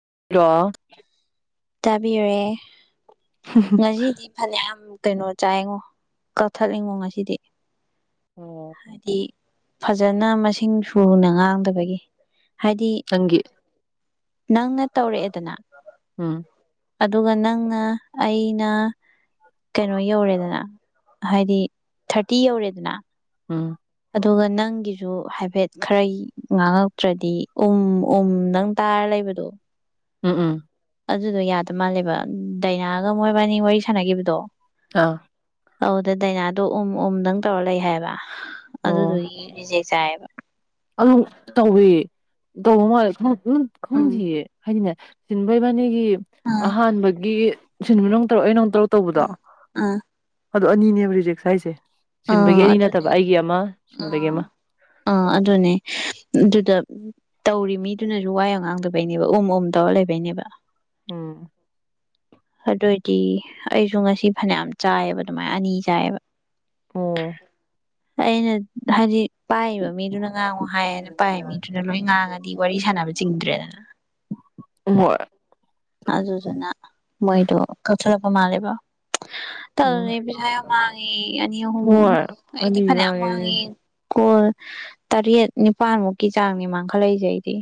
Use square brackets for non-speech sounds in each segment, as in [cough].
[unintelligible] ꯇꯥꯕꯤꯔꯦ ꯉꯁꯤꯗꯤ ꯐꯅꯌꯥꯝ ꯀꯩꯅꯣ ꯆꯥꯏꯉꯣ ꯀꯛꯊꯠꯂꯤꯉꯣ ꯉꯁꯤꯗꯤ ꯍꯥꯏꯗꯤ ꯐꯖꯅ ꯃꯁꯤꯡ ꯁꯨꯅ ꯉꯥꯡꯗꯕꯒꯤ ꯍꯥꯏꯗꯤ ꯅꯪꯒꯤ ꯅꯪꯅ ꯇꯧꯔꯛꯑꯦꯗꯅ ꯎꯝ ꯑꯗꯨꯒ ꯅꯪꯅ ꯑꯩꯅ ꯀꯩꯅꯣ ꯌꯧꯔꯦꯗꯅ ꯍꯥꯏꯗꯤ ꯊꯥꯔꯇꯤ ꯌꯧꯔꯦꯗꯅ ꯎꯝ ꯑꯗꯨꯒ ꯅꯪꯒꯤꯁꯨ ꯍꯥꯏꯐꯦꯠ ꯈꯔ ꯉꯥꯡꯉꯛꯇ꯭ꯔꯗꯤ ꯎꯝ ꯎꯝ ꯅꯪ ꯇꯥꯔ ꯂꯩ ꯑꯣꯏꯗꯣ ꯎꯝ ꯎꯝ ꯑꯗꯨꯗꯣ ꯌꯥꯗ ꯃꯥꯜꯂꯦꯕ ꯗꯥꯏꯅꯥꯒ ꯃꯣꯏꯕꯥꯅꯤ ꯋꯥꯔꯤ ꯁꯥꯟꯅꯈꯤꯕꯗꯣ ꯑꯥ ꯑꯧꯗ ꯗꯥꯏꯅꯥꯗꯣ ꯎꯝ ꯎꯝꯗꯪ ꯇꯧꯔ ꯂꯩ ꯍꯥꯏꯕ ꯑꯣ ꯑꯗꯨꯗꯨꯒꯤ ꯔꯤꯖꯦꯛ ꯆꯥꯏꯌꯦꯕ ꯑꯗꯨꯝ ꯇꯧꯋ ꯇꯧꯕ ꯃꯥꯜꯂꯦ ꯎꯝ ꯈꯪꯗꯌꯦ ꯍꯥꯏꯗꯤꯅꯦ ꯁꯤꯟꯕꯩꯕꯥꯅꯤꯒꯤ ꯑꯥ ꯑꯍꯥꯟꯕꯒꯤ ꯁꯤꯟꯕ ꯅꯨꯡ ꯇꯧꯔꯣꯑꯣ ꯑ ꯇꯔꯨꯛ ꯇꯧꯕꯗꯣ ꯑꯥ ꯑꯗꯨꯗꯣ ꯑꯅꯤꯅꯦꯕ ꯔꯤꯖꯦꯛꯁ ꯍꯥꯏꯁꯦ ꯁꯤꯟꯕꯒꯤ ꯑꯥ ꯑꯅꯤ ꯅꯠꯇꯕ ꯑꯗꯨꯅꯦ ꯑꯩꯒꯤ ꯑꯃ ꯁꯤꯟꯕꯒꯤ ꯑꯥ ꯑꯃ ꯑꯥ ꯑꯗꯨꯅꯦ ꯑꯗꯨꯗ ꯇꯧꯔꯤ ꯃꯤꯗꯨꯅꯁꯨ ꯋꯥꯏ ꯑ ꯉꯥꯡꯗꯕꯩꯅꯦꯕ ꯎꯝ ꯎꯝ ꯇꯧꯔ ꯂꯩꯕꯩꯅꯦꯕ ꯎꯝ ꯑꯗꫭꯏꯗꯤ ꯑꯩꯁꯨ ꯉꯁꯤ ꯐꯅꯌꯥꯝ ꯆꯥꯏꯑꯕ ꯑꯗꯨꯃꯥꯏꯅ ꯑꯅꯤ ꯆꯥꯏꯑꯕ ꯑꯣ ꯑꯩꯅ ꯍꯥꯏꯖꯤ ꯄꯥꯏꯕ ꯃꯤꯗꯨꯅ ꯉꯥꯡꯉꯨ ꯍꯥꯏꯌꯦꯅ ꯄꯥꯏꯕ ꯃꯤꯗꯨꯅ ꯂꯣꯏ ꯉꯥꯡꯉꯗꯤ ꯋꯥꯔꯤ ꯁꯥꯟꯅꯕ ꯆꯤꯡꯗ꯭ꯔꯦꯗꯅ ꯍ ꯑꯖ ꯁꯅ ꯃꯣꯏꯗꯨ ꯀꯊꯔꯛꯄ ꯃꯥꯂꯦꯕ ꯇ ꯎꯝ ꯄꯊꯥꯏ ꯑꯃꯥꯡꯦ ꯑꯅꯤ ꯍꯣꯏ ꯑꯍꯨꯝꯅꯤ ꯑꯅꯤ ꯐꯦ ꯃꯥꯡꯉꯦ ꯑꯃꯉꯦ ꯑꯗꯨꯅꯤ. ꯀꯣꯜ ꯇꯔꯦꯠ ꯅꯤꯄꯥꯜꯃꯨꯛꯀꯤ ꯆꯥꯡꯅꯤ ꯃꯥꯡꯈꯠꯂꯛꯏꯁꯩ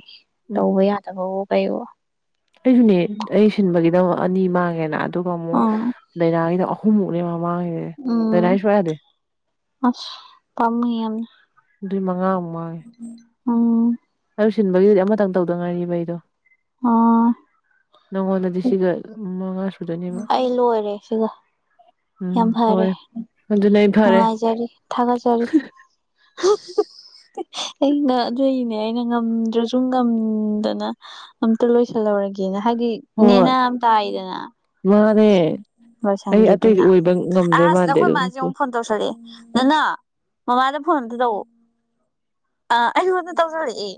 ꯎꯝ ꯇꯧꯕ ꯌꯥꯗꯕꯋ ꯀꯩꯋꯣ ꯑꯩꯁꯨꯅꯦ ꯑꯩ ꯁꯤꯟꯕꯒꯤꯗ ꯑꯅꯤ ꯃꯥꯡꯉꯦꯅ ꯑꯗꯨꯒ ꯑꯃꯨꯛ ꯑꯥ ꯗꯥꯏꯅꯥꯒꯤꯗ ꯑꯍꯨꯝꯃꯨꯛꯅꯦ ꯎꯝ ꯇꯔꯏꯁꯨꯋꯥꯔ ꯑꯁ ꯄꯥꯝꯃꯨꯏ ꯌꯥꯝꯅ ꯑꯗꯨꯏ ꯃꯉꯥ ꯑꯃꯨꯉꯥꯏ ꯑꯣꯝ ꯇꯧꯁꯤꯟꯕꯒꯤꯗꯨꯗꯤ ꯑꯃꯇꯪ ꯇꯧꯗꯧ ꯉꯥꯏꯔꯤꯕ ꯑꯩꯗꯣ ꯑꯣ ꯅꯪꯣꯟꯅꯗꯤꯁꯤꯒ ꯑꯩ ꯂꯣꯏꯔꯦ ꯁꯤꯒ ꯌꯥꯝ ꯎꯝ ꯐꯔꯦ ꯂꯣꯏꯔꯦ ꯑꯗꯨꯅ ꯑꯩ ꯐꯔꯦ ꯅꯨꯡꯉꯥꯏꯖꯔꯤ ꯊꯥꯒꯠꯆꯔꯤ [inaudible] ꯑꯩ ꯑꯗꯨꯒꯤꯅꯦ ꯑꯩꯅ ꯉꯝꯗ꯭ꯔꯁꯨ ꯉꯝꯗꯅ ꯑꯝꯇ ꯂꯣꯏꯁꯜꯍꯧꯔꯒꯦꯅ ꯍꯥꯏꯗꯤ ꯅꯦꯅ ꯍꯣꯏ ꯇꯥꯏꯗꯅ ꯃꯥꯅꯦ ꯕꯔꯁꯟ ꯑꯩ ꯑꯇꯩꯗꯤ ꯒꯤꯞꯇꯨꯅ ꯑꯣꯏꯕ ꯉꯝꯗꯣꯏ ꯑꯁ ꯃꯥꯟꯗꯦ ꯑꯩꯈꯣꯏ ꯑꯗꯨꯝ ꯃꯥꯁꯦ ꯑꯃꯨꯛ ꯐꯣꯟ ꯇꯧꯁꯂꯛꯑꯦ ꯅꯪꯅꯥ ꯃꯃꯥꯗ ꯐꯣꯟꯇ ꯇꯧ ꯑ ꯑꯩꯗ ꯇꯧꯁꯤꯜꯂꯛꯑꯦ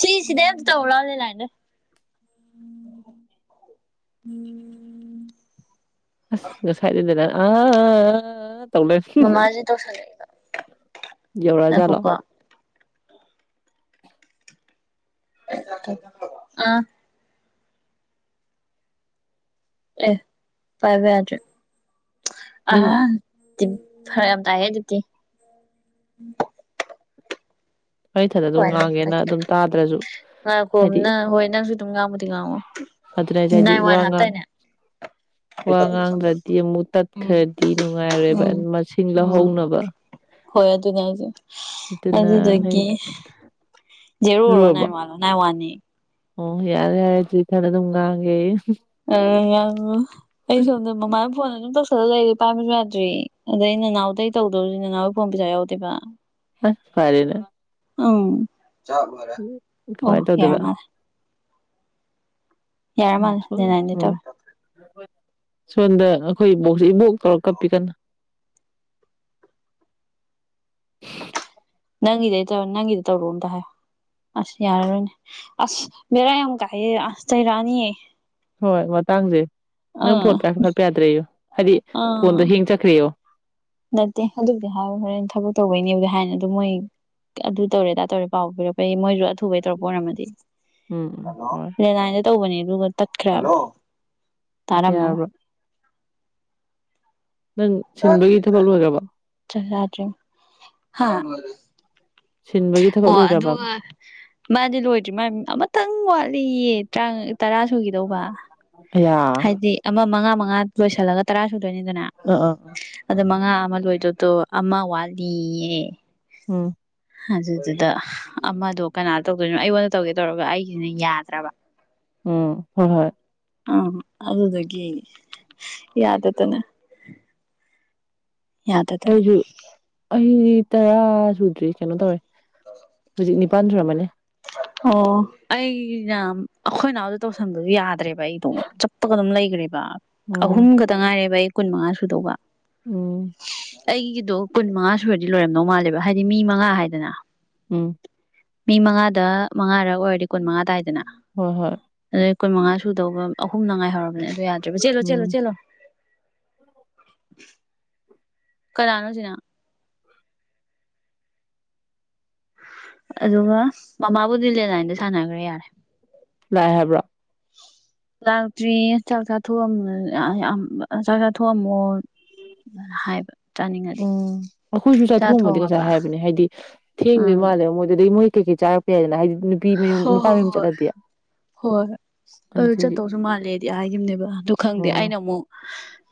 ꯁꯤꯁꯤꯗꯩ ꯑꯝ ꯇꯧ ꯂꯥꯂ ꯂꯥꯏꯟꯗ ꯎꯝ ꯑꯁ ꯉꯁꯥꯏꯗꯗꯦꯅ ꯑ ꯇꯧ ꯃꯃꯥꯁꯦ ꯇꯧꯁꯜꯂꯛꯏꯕ ꯧꯔꯥ ꯆꯂ ꯉꯥꯏꯈꯣꯀꯣ ꯑꯥ ꯑꯦ ꯄꯥꯏꯕ ꯌꯥꯔꯦ ꯑ ꯅꯪ ꯐꯔꯛ ꯌꯥꯝ ꯇꯥꯏꯌꯦ ꯗꯤꯇꯤ ꯃꯩꯊꯗ ꯑꯗꯨꯝ ꯉꯥꯡꯒꯦꯅ ꯑꯗꯨꯝ ꯇꯥꯗ꯭ꯔꯁꯨ ꯉ ꯍꯥꯏꯗꯤ ꯀꯣꯝꯅꯪ ꯍꯣꯏ ꯅꯪꯁꯨ ꯑꯗꯨꯝ ꯉꯥꯡꯕꯗꯤ ꯉꯥꯡꯉꯣ ꯑꯗꯨꯅ ꯍꯥꯏꯁꯦ ꯍꯥꯏꯗꯤ ꯏ ꯋꯥ ꯋꯥꯏꯅ ꯉꯥꯡ ꯍꯥꯞꯇꯅꯦ [inaudible] ꯋꯥ ꯉꯥꯡꯗ꯭ꯔꯗꯤ ꯑꯃꯨꯛ ꯇꯠꯈ꯭ꯔꯗꯤ ꯅꯨꯡꯉꯥꯏꯔꯣꯏꯕ ꯎꯝ ꯃꯁꯤꯡ ꯎꯝ ꯂꯧꯍꯧꯅꯕ ꯍꯣꯏ ꯑꯗꯨꯅꯦꯁꯨ ꯑꯗꯨꯅ ꯑꯩ ꯑꯗꯨꯗꯒꯤ ꯖꯦꯔꫭꯔꯣ ꯂꯣꯏꯔꯕꯣ ꯅꯥꯏꯟ ꯋꯥꯟꯂꫭ ꯅꯥꯏ ꯋꯥꯟꯅꯦ ꯑꯣ ꯌꯥꯔ ꯍꯥꯏꯇꯔꯤ ꯊꯔ ꯑꯗꯨꯒꯥꯡꯪꯦ ꯑ ꯌꯥ ꯑꯩꯁꯨꯗꯔꯃꯃ ꯐꯣꯟ ꯑꯗꯨꯝ ꯇꯧꯁꯂ ꯂꯩꯔꯤ ꯄꯥꯃꯤꯁꯨ ꯌꯥꯗ꯭ꯔꯤ ꯑꯗꯩ ꯅꯅꯥꯎꯗꯩ ꯇꯧꯗꯧꯁꯤ ꯅꯅꯥꯎꯒꯤ ꯐꯣꯟ ꯄꯩꯁꯥ ꯌꯥꯎꯗꯦꯕ ꯑ ꯐꯔꯅꯦ ꯑꯝ ꯑꯣ ꯀꯃꯥꯏꯅ ꯌꯥꯔ ꯇꯧꯗꯣꯏꯕ ꯃꯥꯔꯦ ꯃꯥꯜꯂꯦ ꯑ ꯅꯦꯅꯥꯏꯟꯗꯩ ꯑ ꯇꯧꯔꯦ ꯁꯣꯝꯗ ꯑꯩꯈꯣꯏ ꯏꯕꯣꯛꯁꯦ ꯏꯕꯣꯛ ꯇꯧꯔ ꯀꯞꯄꯤ ꯀꯟꯅ ꯅꯪꯒꯤꯗ ꯇ ꯅꯪꯒꯤꯗꯤ ꯇꯧꯔꯣꯑꯣ ꯇ ꯍꯥꯏ ꯑꯁ ꯌꯥꯔꯔꯣꯏꯅꯦ ꯑꯁ ꯕꯦꯔꯥ ꯌꯥꯝ ꯀꯥꯏꯌꯦ ꯑꯁ ꯆꯩꯔꯥꯅꯤꯌꯦ ꯍꯣꯏ ꯃꯇꯥꯡꯁꯦ ꯅꯪ ꯐꯣꯟ ꯄꯈꯠꯄ ꯌꯥꯗ꯭ꯔꯦ ꯑꯩꯣ ꯍꯥꯏꯗꯤ ꯐꯣꯟꯗꯣ ꯑꯥ ꯍꯦꯡ ꯆꯠꯈ꯭ꯔꯦ [inaudible] ꯅꯠꯇꯦ ꯑꯗꯨꯕꯨꯗꯤ ꯍꯥꯏ ꯍꯣꯔꯦꯟ ꯊꯕꯛ ꯇꯧꯕꯩꯅꯦꯕꯗꯤ ꯍꯥꯏꯅ ꯑꯗꯨꯝ ꯃꯣꯏ ꯑꯗꯨ ꯇꯧꯔꯦꯗꯥ ꯇꯧꯔꯦꯥꯎ ꯄꯤꯔꯛꯄ ꯃꯣꯏꯁꯨ ꯊꯨꯕꯩ ꯇꯧꯔꯛꯄ ꯑꯣꯏꯔꯝꯃꯗꯤ ꯎꯝ ꯎꯝ ꯍꯣꯏ ꯂꯦ ꯂꯟꯗ ꯇꯧꯕꯅꯤ ꯇ ꯈ ꯇꯔꯥ ꯃꯔꯥ ꯌꯥꯔꯕ꯭ꯔꯣ ꯅꯪ ꯁꯤꯟꯕꯒꯤ ꯊꯕꯛ ꯂꯣꯏꯈ꯭ꯔꯔꯕ ꯆꯗꯔꯤ ꯍꯥ ꯁꯤꯟꯕꯒꯤ ꯊꯕꯛ ꯑꯣ ꯂꯣꯏꯈ꯭ꯔꯕ ꯑꯗꯨꯒ ꯃꯥꯗꯤ ꯂꯣꯏꯗ꯭ꯔꯤ ꯃꯥ ꯑꯃꯇꯪ ꯋꯥꯠꯂꯤꯌꯦꯥ ꯇꯔꯥ ꯁꯨꯈꯤꯗꯧꯕ ꯑꯌꯥ ꯍꯥꯏꯗꯤ ꯑꯃ ꯃꯉꯥ ꯃꯉꯥ ꯂꯣꯏꯁꯤꯜꯂꯒ ꯇꯔꯥ ꯁꯨꯗꯣꯏꯅꯤꯗꯅ ꯑꯥ ꯑꯥ ꯑꯗꯨ ꯉꯉꯥ ꯑꯃ ꯂꯣꯏꯗꯗꯣ ꯑꯃ ꯋꯥꯠꯂꯤꯌꯦ ꯎꯝ ꯑꯗꯨꯗꯨꯗ ꯑꯃꯗꯣ ꯀꯅꯥ ꯇꯧꯗꯣꯏꯅꯣ ꯑꯩꯉꯣꯟꯗ ꯇꯧꯒꯦ ꯇꯧꯔꯒ ꯑꯩꯁꯤꯅ ꯌꯥꯗ꯭ꯔꯕ ꯎꯝ ꯍꯣꯏ ꯍꯣꯏ ꯑ ꯑꯗꯨꯗꯒꯦ ꯌꯥꯗꯇꯅ ꯍꯁꯨꯨ ꯑꯩ ꯇꯔꯥ ꯁꯨꯗ꯭ꯔꯤ ꯀꯩꯅꯣ ꯇꯧꯔꯦ ꯍꯧꯖꯤꯛ ꯅꯤꯄꯜ ꯁꯨꯔꯝꯃꯅꯦ ꯑꯣ ꯑꯩꯅ ꯑꯩꯈꯣꯏ ꯅꯥꯎꯗ ꯇꯧꯁꯟꯕꯁꯨ ꯌꯥꯗ꯭ꯔꯦꯕ ꯑꯩꯗꯣ ꯆꯞꯄꯒ ꯑꯗꯨꯝ ꯂꯩ ꯎꯝ ꯑꯍꯨꯝꯒꯇ ꯉꯥꯏꯔꯦꯕ ꯑꯩ ꯀꯨꯟ ꯃꯉꯥ ꯁꯨꯗꯧꯕ ꯎꯝ ꯑꯩꯒꯤꯗꯣ ꯀꯨꯟ ꯃꯉꯥ ꯁꯨꯔꯗꯤ ꯂꯣꯏꯔꯝꯗꯧ ꯃꯥꯜꯂꯦꯕ ꯍꯥꯏꯗꯤ ꯃꯤ ꯃꯉꯥ ꯍꯥꯏꯗꯅ ꯎꯝ ꯃꯤ ꯃꯉꯥꯗ ꯃꯉꯥꯔꯛ ꯑꯣꯏꯔꯗꯤ ꯀꯨꯟ ꯃꯉꯥ ꯇꯏꯗꯅ ꯍꯣꯏ ꯍꯣꯏ ꯑꯗꯨꯗꯩ ꯀꯨꯟ ꯃꯉꯥ ꯁꯨꯗꯧꯕ ꯑꯍꯨꯝ ꯅꯉꯥꯏ ꯍꯧꯔꯕꯅꯦ ꯑꯗꯨ ꯌꯥꯗ꯭ꯔꯦꯕ ꯆꯦꯜꯂꯣ ꯎꯝ ꯆꯦꯜꯂꯣ ꯆꯦꯜꯂꯣ ꯀꯗꯥꯅꯣꯁꯤꯅ ꯑꯗꯨꯒ ꯃꯃꯥꯕꯨꯗꯤ ꯂꯦꯟꯂꯥꯏꯟꯗ ꯁꯥꯟꯅꯈ꯭ꯔꯦ ꯌꯥꯔꯦ ꯂꯑ ꯍꯥꯏꯕ꯭ꯔꯣ ꯂꯥꯛꯇ꯭ꯔꯤꯌꯦ ꯆꯥꯛ ꯆꯥꯑ ꯆꯥꯛ ꯆꯥ ꯊꯣꯡꯑꯝꯃꯣ ꯑꯗꯨꯅ ꯍꯥꯏꯕ ꯆꯥꯅꯤꯡꯉꯗꯤ ꯎꯝ ꯑꯩꯈꯣꯏꯁꯨ ꯆꯥꯛ ꯆꯥꯊꯣꯛꯑꯝꯕꯗꯤ ꯊꯣꯡꯉꯕ ꯉꯁꯥꯏ ꯍꯥꯏꯕꯅꯦ ꯍꯥꯏꯗꯤ ꯊꯦꯡꯗꯣꯏ ꯎꯝ ꯃꯥꯜꯂꯦꯕ ꯃꯣꯏꯗꯨꯗꯒꯤ ꯃꯣꯏ ꯀꯩ ꯀꯩ ꯆꯥꯔꯛꯄ ꯌꯥꯏꯗꯅ ꯍꯥꯏꯗꯤ ꯅꯨꯄꯤ ꯃꯌꯨꯝ ꯍꯣꯏ ꯅꯨꯄꯥ ꯃꯌꯨꯝ ꯍꯣꯏ ꯆꯠꯂꯗꯤꯦ ꯍꯣꯏ ꯑꯗꯨ ꯆꯠꯇꯧꯁꯨ ꯃꯥꯜꯂꯦꯗꯤ ꯍꯥꯏꯈꯤꯕꯅꯦꯕ ꯑꯗꯨ ꯈꯪꯗꯦ ꯎꯝ ꯑꯩꯅ ꯑꯃꯨꯛ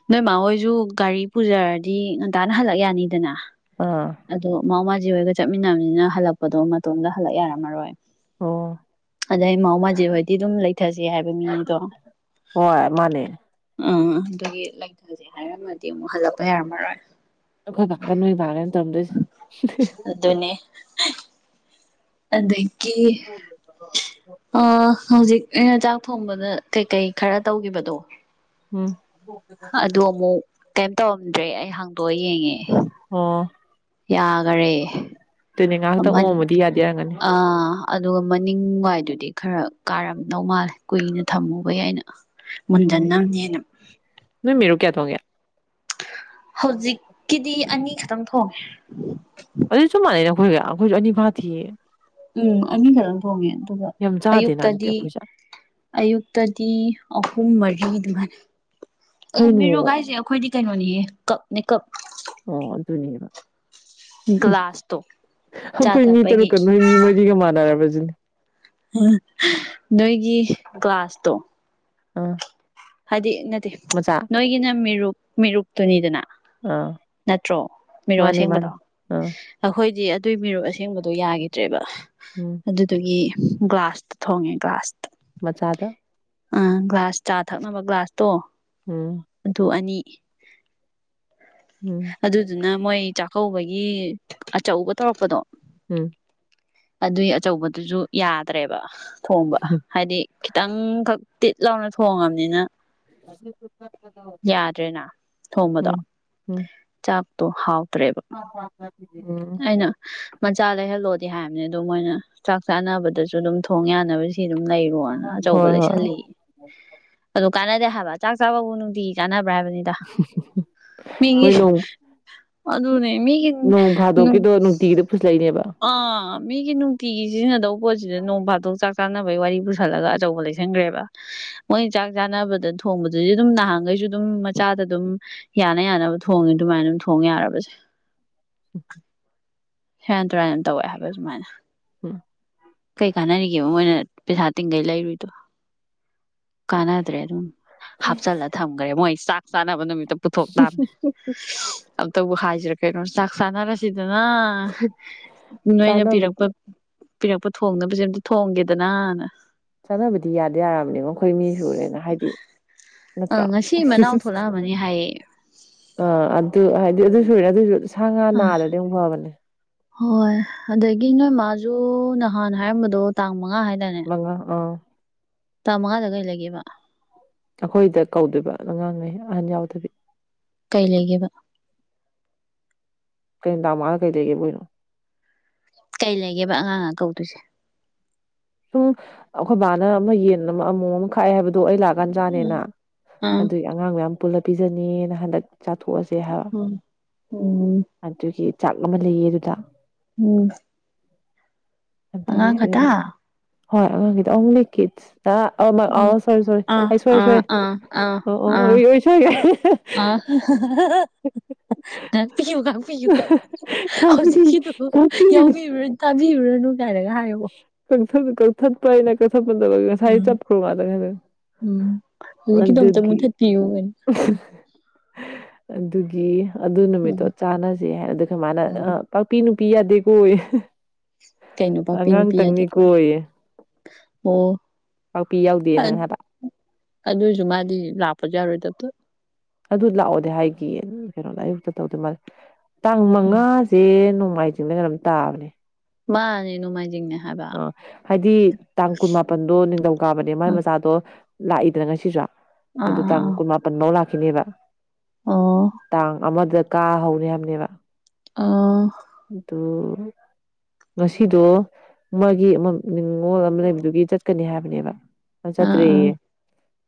ꯅꯣꯏꯃ ꯍꯣꯏꯁꯨ ꯁꯨ ꯒꯥꯔꯤ ꯄꯨꯖꯔꯗꯤ ꯉꯟꯇꯥꯅ ꯍꯜꯂꯛ ꯌꯥꯅꯤꯗꯅ ꯑꯥ ꯑꯗꯣ ꯃꯥ ꯃꯥ ꯖꯤ ꯍꯣꯏꯒ ꯆꯠꯃꯤꯟꯅꯕꯅꯤꯅ ꯍꯜꯂꯛꯄꯗꯣ ꯃꯇꯣꯝꯇ ꯍꯜꯂꯛ ꯌꯥꯔꯝꯃꯔꯣꯏ ꯑꯣ ꯑꯗ ꯑꯩ ꯃꯥꯃꯁ ꯍꯣꯏꯗꯤ ꯑꯗꯨꯝ ꯂꯩꯊꯁ ꯍꯥꯏꯕ ꯃꯤꯅꯤꯗꯣ ꯍꯣꯏ ꯃꯥꯅꯦ ꯎꯝ ꯑꯗꯨꯒꯤ ꯂꯩꯊꯁꯦ ꯍꯥꯏꯔꯝꯃꯗꯤ ꯑꯃꯨꯛ ꯍꯜꯂꯛꯄ ꯌꯥꯔꯝꯃꯔꯣꯏ ꯑꯣꯏ ꯒꯔ ꯒꯔ ꯇꯗ ꯑꯗꯨꯅꯦ ꯑꯗꯒꯤ ꯑ ꯍꯧꯖꯤꯛ ꯏ ꯆꯥꯛ ꯊꯣꯡꯕꯗ ꯀꯩꯀꯩ ꯈꯔ ꯇꯧꯈꯤꯕꯗꯣ ꯎꯝ ꯑꯗꯨ ꯑꯃꯨꯛ ꯀꯩꯝ ꯇꯧꯔꯝꯗ꯭ꯔꯦ ꯑꯩ ꯍꯥꯡꯗꯣꯛꯑ ꯌꯦꯡꯉꯦ ꯑ ꯌꯥꯈꯔꯦ ꯇꯅꯦ ꯀꯥꯥꯛꯗ ꯃꯟ ꯑꯣꯝꯗꯤꯗꯦ ꯑꯥ ꯑꯗꯨꯒ ꯃꯅꯤꯡ ꯋꯥꯏꯗꯨꯗꯤ ꯈꯔ ꯀꯥꯔꯝꯗꯧ ꯃꯥꯜꯂꯦ ꯀꯨꯏꯅ ꯊꯝꯃꯨꯕ ꯌꯥꯏꯅ ꯃꯟꯗꯟꯅꯝ ꯅꯅ ꯀ ꯇꯣꯡꯉꯦ ꯍꯧꯖꯤꯛꯀꯤꯗꯤ ꯑꯅꯤ ꯈꯛꯇꯪ ꯊꯣꯡꯉꯦ ꯑꯩꯣꯏ ꯑꯩꯣꯏ ꯑꯅꯤꯐ ꯊꯤ ꯎꯝ ꯑꯅꯤꯈꯛꯪ ꯊꯣꯡꯉꯦ ꯑꯗꯨꯒ ꯌꯥꯝ ꯆꯥꯗꯦꯅ ꯑꯗꯨꯗꯤ ꯑꯌꯨꯛꯇꯗꯤ ꯑꯩꯈꯣꯏꯁꯦ ꯑꯌꯨꯛꯇꯗꯤ ꯑꯍꯨꯝ ꯃꯔꯤ ꯑꯗꯨꯃꯥꯏꯅ ꯑꯦ ꯀꯩꯅꯣ ꯃꯤꯔꯨꯒꯥꯏꯁꯦ ꯑꯩꯈꯣꯏꯗꯤ ꯀꯩꯅꯣ ꯋꯥꯅꯤꯌꯦ ꯀꯞꯅꯦ ꯀꯞ ꯑꯣ ꯑꯗꯨ ꯑꯗꯨꯅꯦꯕ ꯒ꯭ꯂꯥꯁꯇꯣ ꯆꯥ ꯑꯩꯈꯣꯏ ꯃꯤ ꯊꯛꯄꯒꯤ ꯇꯔꯨꯛꯀ ꯅꯣꯏ ꯃꯤ ꯃꯔꯤꯒ ꯃꯥꯟꯅꯔꯕ ꯅꯣꯏꯒꯤ ꯀ꯭ꯂꯥꯁꯇꯣ ꯑꯥ ꯍꯥꯏꯗꯤ ꯅꯠꯇꯦ ꯃꯆꯥ ꯅꯣꯏꯒꯤꯅ ꯃꯤꯔꯨꯞ ꯃꯤꯔꯨꯞꯇꯨꯅꯤꯗꯅ ꯑꯥ ꯅꯠꯇ꯭ꯔꯣ ꯃꯤꯔꯣ ꯃꯥꯅꯦ ꯃꯥꯅꯦ ꯑꯁꯦꯡꯕꯗꯣ ꯑꯥ ꯑꯩꯈꯣꯏꯗꯤ ꯑꯗꯨꯏ ꯃꯤꯔꯨꯞ ꯑꯁꯦꯡꯕꯗꯣ ꯌꯥꯈꯤꯗ꯭ꯔꯦꯕ ꯎꯝ ꯑꯗꯨꯗꯨꯒꯤ ꯒ꯭ꯂꯥꯁꯇ ꯊꯣꯡꯉꯦ ꯒ꯭ꯂꯥꯁꯇ ꯃꯆꯥꯥꯗ ꯑ ꯒ꯭ꯂꯥꯁ ꯆꯥ ꯊꯛꯅꯕ ꯒ꯭ꯂꯥꯁꯇꯣ ꯎꯝ ꯑꯗꯨ ꯑꯅꯤ ꯎꯝ ꯑꯗꯨꯗꯨꯅ ꯃꯣꯏ ꯆꯥꯛꯀꯧꯕꯒꯤ ꯑꯆꯧꯕ ꯇꯧꯔꯛꯄꯗꯣ ꯎꯝ ꯑꯗꯨꯏ ꯑꯆꯧꯕꯗꯨꯁꯨ ꯌꯥꯗ꯭ꯔꯦꯕ ꯊꯣꯡꯕ ꯍꯥꯏꯗꯤ ꯈꯤꯇꯪꯈꯛ ꯇꯤꯠ ꯂꯥꯎꯅ ꯊꯣꯡꯉꯕꯅꯤꯅ ꯌꯥꯗ꯭ꯔꯦꯅ ꯊꯣꯡꯕꯗꯣ ꯎꯝ ꯥꯛꯣ ꯍꯥꯎ ꯍ ꯍ ꯍ [inaudible] ꯑꯩꯅ ꯃꯆꯥ ꯂꯩꯍꯜꯂꯣꯗꯤ ꯍꯥꯏꯕꯅꯦ ꯑꯗꯨ ꯃꯣꯏꯅ ꯆꯥꯛ ꯆꯥꯅꯕꯗꯁꯨ ꯑꯗꯨꯝ ꯊꯣꯡ ꯌꯥꯅꯕꯁꯤ ꯑꯗꯨꯝ ꯂꯩꯔꯣꯅ ꯑꯆꯧꯕ ꯍꯣꯏ ꯍꯣꯏ ꯂꯩꯁꯜꯂꯤ ꯑ ꯀꯥꯟꯅꯗꯦ ꯍꯥꯏꯕ ꯆꯥꯛ ꯆꯥꯕꯕꯨ ꯅꯨꯡꯗꯤ ꯀꯥꯟꯅꯕ ꯗ ꯃꯤꯒꯤ ꯍꯣꯏ ꯅꯣꯡ ꯑꯗꯨꯅꯦ ꯃꯤꯒꯤ ꯀꯗꯣ ꯅꯨꯡꯇꯤꯒꯤꯗ ꯐꯜꯂꯛꯏꯅꯦꯕ ꯑꯥ ꯃꯤꯒꯤ ꯅꯨꯡꯇꯤꯒꯤ ꯁꯤꯖꯤꯟꯅꯗꯧꯕ ꯄꯣꯠꯁꯤꯗ ꯅꯣꯡ ꯐꯥꯗꯣꯛ ꯆꯥꯛ ꯆꯥꯅꯕ ꯑꯦ ꯆ ꯆꯣꯡꯗꯤ ꯑꯗꯨꯝ ꯅꯍꯈꯩꯁꯨꯝ ꯃꯆꯥꯗ ꯑꯗꯨꯝ ꯌꯥꯅ ꯌꯥꯅꯕ ꯊꯣꯡꯉꯦ ꯑꯗꯨꯃꯥꯏꯅ ꯑꯗꯨꯝ ꯊꯣꯡ ꯌꯥꯔꯕꯁꯦ ꯍꯦꯔꯥꯟ ꯇꯨꯔꯥꯟ ꯇꯧꯋꯦ ꯍꯥꯏꯕ ꯁꯨꯃꯥꯏꯅ ꯎꯝ ꯀꯩ ꯀꯥꯟꯅꯔꯤꯒꯦ ꯃꯣꯏꯅ ꯄꯩꯁꯥ ꯇꯤꯡꯈꯩ ꯂꯩꯔꯨꯏꯗꯣ ꯀꯥꯟꯅꯗ꯭ꯔꯦ ꯑꯗꯨꯝ ꯍꯥꯞꯆꯤꯜꯂ ꯊꯝꯈ꯭ꯔꯦ ꯃꯣꯏ ꯆꯥꯛ ꯆꯥꯅꯕ ꯅꯨꯃꯤꯠ ꯑ ꯄꯨꯊꯣꯛ ꯇꯕꯃꯦ ꯑꯝꯇꯕꯨ ꯍꯥꯏꯁꯤ꯭ꯔꯥ ꯀꯩꯅꯣ ꯆꯥꯛ ꯁꯥꯟꯅꯔꯁꯤꯗꯅ ꯅꯣꯏꯅ ꯄꯤꯔꯛꯄ ꯆꯥꯅꯕꯗꯤ ꯄꯤꯔꯛꯄ ꯊꯣꯡꯅꯕꯁꯦ ꯑꯝꯇ ꯊꯣꯡꯒꯦꯗꯅꯅ ꯆꯥꯅꯕꯗꯤ ꯌꯥꯗ ꯌꯥꯔꯕꯅꯤ ꯃꯈꯣꯏ ꯃꯤ ꯁꯨꯔꯦꯅ ꯍꯥꯏꯗꯤ ꯑ ꯅꯠꯇ꯭ꯔ ꯉꯁꯤ ꯃꯅꯥꯎ ꯊꯣꯛꯂꯛꯑꯃꯅꯤ ꯍꯥꯏꯌꯦ ꯑ ꯑꯗꯨ ꯍꯥꯏꯗꯤ ꯑꯗꯨ ꯁꯨꯦ ꯑꯗꯨꯏꯁꯨ ꯁꯥ ꯉꯥ ꯑ ꯅꯥꯗ꯭ꯔꯗꯤ ꯑꯃꯨꯛ ꯐꯕꯅꯦ ꯍꯣꯏ ꯑꯗꯒꯤ ꯅꯣꯏ ꯃꯥꯁꯨ ꯅꯍꯥꯟ ꯍꯥꯏꯔꯝꯕꯗꯣ ꯇꯥꯡꯕ ꯂꯉ ꯑꯥ [unintelligible] [inaudible] ꯇꯥꯃꯉꯥꯗ ꯀꯩ ꯂꯩꯒꯦꯕ ꯑꯩꯈꯣꯏꯗ ꯀꯧꯗꯣꯏꯕ ꯑꯉꯥꯡꯉꯩ ꯑꯍꯟ ꯌꯥꯎꯗꯕꯤ ꯀꯩ ꯂꯩꯒꯦꯕ ꯀꯩ ꯇ ꯃꯥꯒ ꯀꯩ ꯂꯩꯒꯦꯕꯅꯣ ꯀꯩ ꯂꯩꯒꯦꯕ ꯑꯉꯥꯡ ꯑꯀꯧꯗꯣꯏꯁꯦ ꯁꯨꯝ ꯑꯩꯈꯣꯏ ꯕꯥꯅ ꯑꯃ ꯌꯦꯟ ꯑꯃ ꯑꯃꯣ ꯑꯃ ꯈꯥꯛꯑꯦ ꯍꯥꯏꯕꯗꯣ ꯑꯩ ꯂꯥꯛ ꯒꯟꯖ꯭ꯔꯥꯅꯦꯅ ꯑꯥ ꯎꯝ ꯑꯗꯨꯏ ꯑꯉꯥꯡ ꯃꯌꯥꯝ ꯄꯨꯜꯂ ꯄꯤꯖꯅꯤꯅ ꯍꯟꯗꯛ ꯆꯥꯊꯣꯛꯑꯁꯦ ꯍꯥꯏꯕ ꯎꯝ ꯑꯗꯨꯒꯤ ꯆꯥꯛ ꯑꯃ ꯂꯩꯌꯦ ꯑꯗꯨꯗ ꯎꯝ ꯑꯉꯥꯡ ꯈꯇꯥ ꯑꯗꯨꯗꯒꯤ ꯍꯣꯏ ꯑꯉꯥꯡꯒꯤꯗ ꯑꯣꯡꯂꯤ ꯀꯤꯠꯁ ꯑ ꯑ ꯑ ꯎꯝ ꯁꯣꯔꯤ ꯁꯣꯔꯤ ꯑꯥ ꯍꯥꯏ ꯁꯔꯦ ꯑꯥ ꯁꯣꯏꯔꯦ ꯑꯥ ꯑꯥ ꯑꯣ ꯑꯣ ꯑꯣꯏ ꯑꯣꯏ ꯁꯣꯏ [unintelligible] [inaudible] ꯅꯪ ꯄꯤꯌꯨ ꯄꯤꯌꯨ ꯍꯧꯖꯤꯛꯀꯤꯗꯨ ꯌꯥꯎꯕꯤꯔꯨꯔ ꯇꯥꯕꯤꯔꯨꯔꯅꯨ ꯀꯥꯏꯅꯒ ꯍꯥꯏꯌꯣ ꯀꯧꯊ ꯀꯧꯊ ꯄꯥꯏꯅ ꯁꯄꯗ ꯁ ꯎꯝ ꯆꯞꯈ ꯃꯥꯗ ꯎꯝ ꯀꯣ ꯍꯧꯖꯤꯛꯀꯤꯗꯣ ꯑꯝꯇ ꯑꯒꯤ ꯃꯨꯊꯠꯄꯤꯌꯨ ꯀꯩꯅꯣ ꯑꯗꯨꯒꯤ ꯑꯗꯨ ꯅꯨꯃꯤꯠꯇꯣ ꯎꯝ ꯆꯥꯟꯅꯁꯦ ꯍꯥꯏ ꯑꯗꯨ ꯃꯥꯅ ꯑ ꯎꯝ ꯄꯥꯛꯄꯤ ꯅꯨꯄꯤ ꯌꯥꯗꯦ ꯀꯣ ꯀꯩꯅꯣ ꯄꯥꯛꯄꯤ ꯅꯨꯄꯤ ꯑꯉꯥꯡꯇꯪꯅꯤ ꯌꯥꯗꯦꯀꯣ ꯀꯣꯌꯦ ꯑꯣ ꯌꯥꯎꯗꯦ ꯅꯪ ꯍꯥꯏꯕ ꯑꯗꯨꯏꯁꯨ ꯃꯥꯗꯤ ꯂꯥꯛꯄ ꯄꯖꯥ ꯑꯣꯏ ꯇ ꯑꯗꯨ ꯂꯥꯛꯑꯣꯗꯤ ꯍꯥꯏꯒꯌꯦ ꯀꯩꯅꯣ ꯑꯌꯨꯛꯇ ꯇꯧꯗ ꯃꯥꯜꯂꯦ ꯇꯥꯡ ꯎꯝ ꯃꯉꯥꯁꯦ ꯃꯥꯏ ꯆꯤꯡꯗꯅ ꯑꯗꯨꯝ ꯇꯥꯕꯅꯦ ꯃꯥ ꯅꯅꯨ ꯃꯥꯏꯖꯤꯡꯅ ꯑꯥ ꯍꯥꯏꯗꯤ ꯇꯥꯡ ꯀꯨꯟ ꯃꯥꯄꯟꯗꯣ ꯅꯤꯡꯊꯧꯀꯥꯕꯅꯦ ꯃꯥꯥꯏ ꯑꯥ ꯃꯆꯥꯗꯣ ꯂꯥꯛꯏꯗꯅ ꯉꯁꯤꯁꯨ ꯑꯗꯨ ꯇꯥꯡ ꯑꯥ ꯀꯨꯟꯃꯄꯟꯐꯧ ꯂꯥꯛꯈꯤꯅꯦꯕ ꯑꯣ ꯇꯥꯡ ꯑꯃꯗ ꯀꯥ ꯍꯧꯅꯤ ꯍꯥꯏꯕꯅꯦꯕ ꯑ ꯗꯣ ꯉꯁꯤꯗꯣ ꯃꯥꯒꯤ ꯑꯃ ꯅꯤꯉꯣꯜ ꯑꯃ ꯂꯩꯕꯗꯨꯒꯤ ꯆꯠꯀꯅꯤ ꯍꯥꯏꯕꯅꯦꯕ ꯑꯥ ꯆꯠꯇ꯭ꯔꯔꯤꯌꯦ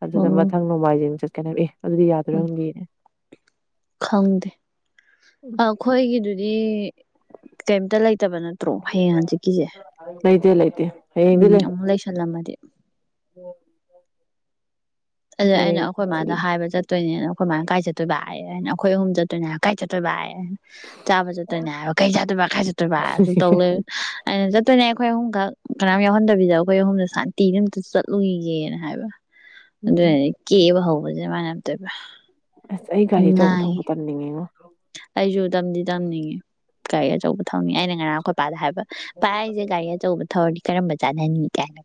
ꯑꯗꯨꯅ ꯑꯣ ꯃꯊꯪ ꯅꯣꯡꯃꯥꯏꯖꯤꯡ ꯆꯠꯀꯅꯦ ꯑꯦ ꯑꯗꯨꯗꯤ ꯌꯥꯗ꯭ꯔꯣꯏꯒꯤꯅꯦ ꯈꯪꯗꯦ ꯑꯩꯈꯣꯏꯒꯤꯗꯨꯗꯤ ꯀꯩꯝꯇ ꯂꯩꯇꯦ ꯐꯠꯇꯕ ꯅꯠꯇ꯭ꯔꯣ ꯍꯌꯦꯡ ꯍꯪꯆꯤꯠꯀꯤꯁꯦ ꯂꯩꯇꯦ ꯂꯩꯇꯦ ꯎꯝ ꯑꯃꯨꯛ ꯂꯩꯁꯜꯂꯝꯃꯗꯤ ꯎꯝ ꯑꯗꯨꯗ ꯑꯩꯅ ꯑꯩꯈꯣꯏ ꯃꯥꯗ ꯆꯤꯜꯂꯦ ꯍꯥꯏꯕ ꯆꯠꯇꯣꯏꯅꯦꯅ ꯑꯩꯈꯣꯏꯃꯥꯏꯅ ꯀꯥꯏ ꯆꯠꯇꯣꯏꯕ ꯍꯥꯏꯌꯦ ꯍꯥꯏ ꯑꯩꯈꯣꯏ ꯑꯍꯨꯝ ꯆꯠꯇꯣꯏꯅꯦ ꯍꯥꯏ ꯀꯥꯏ ꯆꯠꯇꯣꯏꯕ ꯍꯥꯏꯦ ꯑꯦ ꯆꯥꯕ ꯆꯠꯇꯣꯏꯅꯦ ꯍꯥꯏꯕ ꯀꯩ ꯆꯠꯇꯣꯏꯕ ꯈꯥꯏ ꯆꯠꯇꯣꯏꯕ ꯑꯗꯨ ꯇꯧ ꯂꯩ ꯑꯩꯅ ꯆ ꯑꯗꯨꯣꯏꯅꯦ ꯑꯩꯈꯣꯏ ꯑꯍꯨꯝꯈꯛ ꯀꯅꯥꯝ ꯌꯥꯎꯍꯟꯗꯕꯤꯗꯎ ꯑꯩꯈꯣꯏ ꯑꯍꯨꯝꯗ ꯁꯥꯟꯇꯤꯗ ꯑꯝꯇ ꯆꯠꯂꯨꯏꯒꯦꯅ ꯍꯥꯏꯕ ꯎꯝ ꯑꯗꯨꯅꯗꯤ ꯀꯦꯕ ꯍꯧꯋ ꯦ ꯃꯅꯦꯝꯇꯕ [inaudible] ꯑꯁ ꯑꯩ ꯒꯥꯔꯤ ꯑꯆꯧꯕ ꯊꯧꯕ ꯇꯝꯅꯤꯡꯉꯤꯉꯣ ꯑꯩꯁꯨ ꯇꯝꯗꯤ ꯇꯝꯅꯤꯡꯉꯦ ꯒꯥꯥꯏ ꯑꯆꯧꯕ ꯊꯧꯅꯤ ꯑꯩꯅ ꯉꯔꯥꯡꯈꯣꯠꯄꯥꯗ ꯍꯥꯏꯕ ꯄꯚꯥꯏ ꯑꯩꯁꯦ ꯒꯥꯔꯤ ꯑꯆꯧꯕ ꯊꯧꯔꯗꯤ ꯀꯔꯝꯕ ꯆꯥꯅꯍꯅꯤꯡꯉꯤ ꯀꯅ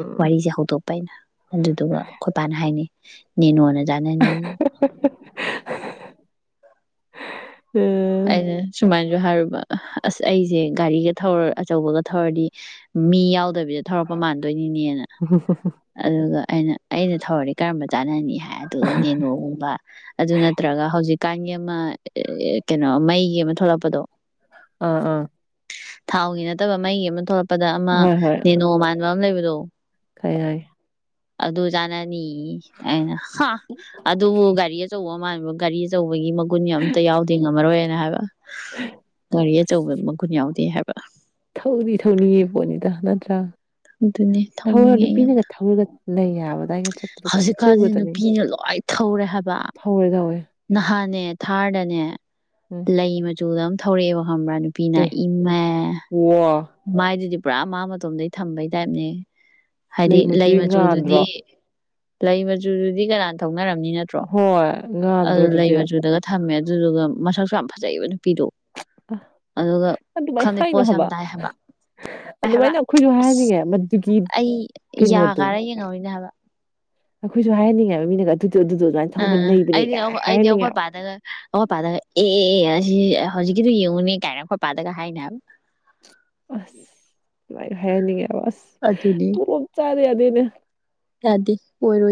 ꯎꯝ ꯋꯥꯔꯤꯁꯦ ꯍꯧꯗꯣꯛꯄ ꯑꯩꯅ ꯑꯗꯨꯗꯨꯒ ꯑꯩꯈꯣꯏ ꯄꯅ ꯍꯥꯏꯅꯤꯩ ꯅꯦꯅꯣꯅ ꯅꯅꯤ [inaudible] [unintelligible] [inaudible] [inaudible] ꯑ ꯁꯨꯃꯥꯏ ꯑ ꯑꯩꯁꯦ ꯒꯥꯔꯤ ꯑꯧꯕ ꯌꯥ ꯇꯗꯕꯤꯗ ꯊꯧꯔꯛꯄ ꯃꯥꯟꯗꯣꯏꯅꯤꯅꯦꯅ ꯑꯗꯨꯒ ꯑꯩꯅ ꯑꯩꯅ ꯊꯧꯔꯗꯤ ꯀꯔꯝꯕ ꯆꯥꯅꯅꯤ ꯍꯥꯏ ꯑꯗꯨꯒ ꯅꯦꯅꯨꯒꯨꯝꯕ ꯑꯗꯨ ꯅꯠꯇ꯭ꯔꯒ ꯍꯧꯖꯤꯛꯀꯥꯟꯒꯤ ꯑꯃ ꯀꯩꯅꯣ ꯃꯩꯒꯤ ꯑꯃ ꯊꯣꯛꯂꯛꯄꯗꯣ ꯑꯝ ꯎꯝ ꯊꯥꯎꯒꯤ ꯅꯠꯇꯕ ꯃꯩꯒꯤ ꯑꯃ ꯊꯣꯛꯂꯛꯄꯗ ꯑꯃ ꯅꯦꯅꯣ ꯃꯥꯟꯕ ꯑꯃ ꯂꯩꯕꯗꯣ ꯀꯩꯏ ꯑꯗꯨ ꯆꯥꯅꯅꯤ ꯑꯩꯅ ꯍꯥ ꯑꯗꯨꯕꯨ ꯒꯥꯔꯤ ꯑꯆꯧꯕ ꯃꯥꯟꯕ ꯒꯥꯔꯤ ꯑꯆꯧꯕ ꯇꯧꯕꯒꯤ ꯃꯒꯨꯟ ꯑꯇ ꯌꯥꯎꯗꯦ ꯉꯝꯃꯔꯣꯏꯅ ꯍꯥꯏꯕ ꯒꯥꯔꯤ ꯑꯆꯧꯕ ꯃꯒꯨꯟ ꯌꯥꯎꯗꯦ ꯍꯥꯏꯕ ꯊꯧꯅꯤ ꯊꯧꯅꯤꯌꯦ ꯄꯣꯠꯅꯤꯗ ꯅꯠꯇ꯭ꯔꯥ ꯑꯗꯨꯅꯦ ꯊꯧꯔ ꯊꯧꯅꯤꯡꯉꯦ ꯅꯨꯄꯤꯅꯒ ꯊꯧꯔꯒ ꯂꯩ ꯌꯥꯕꯗꯏ ꯍꯧꯖꯤꯛꯀꯥꯟꯁꯤ ꯅꯨꯄꯤꯅ ꯂꯣꯏ ꯊꯧꯔꯦ ꯍꯥꯏꯕ ꯊꯧꯔꯦ ꯊꯧꯋꯦ ꯅꯍꯥꯟꯅꯦ ꯊꯥꯔꯗꯅꯦ ꯎꯝ ꯂꯩ ꯃꯆꯨꯗ ꯑꯃ ꯊꯧꯔꯛꯑꯦꯕꯀ ꯈ꯭ꯔꯥ ꯅꯨꯄꯤꯅ ꯑꯦ ꯏꯃ ꯋꯥ ꯃꯥꯏꯗꯨꯗꯤ ꯄꯨꯔꯥ ꯃꯥ ꯃꯇꯣꯝꯗꯒꯤꯩ ꯊꯝꯕꯩ ꯇꯥꯏꯞꯅꯦ ꯍꯥꯏꯗꯤ ꯂꯩ ꯃꯆꯨꯗꯤ ꯉꯥꯟꯗ꯭ꯔꯣ ꯃꯆꯨꯗꯨꯗꯤ ꯂꯩ ꯃꯆꯨꯗꯨꯗꯤ ꯀꯅꯥꯅ ꯊꯧꯅꯔꯝꯅꯤ ꯅꯠꯇ꯭ꯔꯣ ꯍꯣꯏ ꯉꯥꯟꯗ꯭ꯔꯣ ꯑꯗꯨ ꯂꯩ ꯑꯗꯨꯗꯤ ꯃꯆꯨꯗꯒ ꯊꯝꯃꯦ ꯑꯗꯨꯗꯨꯒ ꯃꯁꯛꯁꯨ ꯌꯥꯝ ꯐꯖꯩꯑꯕ ꯅꯨꯄꯤꯗꯣ ꯑꯗꯨꯒ ꯑꯗꯨꯃꯥꯏꯅ ꯈꯪꯗꯦ ꯍꯥꯏꯅꯣ ꯄꯣꯠꯁꯨ ꯌꯥꯝ ꯇꯥꯏ ꯍꯥꯏꯕ [unintelligible] [inaudible] ꯑꯗꯨꯃꯥꯏꯅ ꯑꯩꯈꯣꯏꯁꯨ ꯍꯥꯏꯅꯤꯡꯉꯦ ꯃꯗꯨꯒꯤ ꯑꯩ ꯌꯥ ꯀꯩꯅꯣꯗꯣ ꯀꯥꯔ ꯌꯦꯡꯍꯧꯔꯤꯅꯦ ꯍꯥꯏꯕ ꯑꯩꯈꯣꯏꯁꯨ ꯍꯥꯏꯍꯟꯅꯤꯡꯉꯦꯕ ꯃꯤꯅꯒ ꯑꯗꯨ ꯑ ꯑꯩꯗꯤ ꯑꯩꯗꯤ ꯑꯩꯈꯣꯏ ꯄꯥꯗꯒ ꯑꯩꯈꯣꯏ ꯄꯥꯗꯒ ꯑꯦ ꯁꯤ ꯍꯧꯖꯤꯛꯀꯤꯗꯨꯣ ꯌꯦꯡꯉꯨꯅꯦ ꯀꯥꯏꯅ ꯈꯣꯠ ꯄꯗꯒ ꯍꯥꯏꯅꯦꯕ ꯑꯁ ꯂꯥꯏ ꯍꯥꯏꯍꯟꯅꯤꯡꯉꯦ ꯑꯁ ꯇꯨꯡꯂꯣꯞ ꯆꯥꯗ ꯌꯥꯗꯦꯅꯦ ꯌꯥꯗꯤ ꯑꯣꯏꯔ